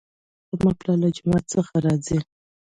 زما پلار له جومات څخه راځي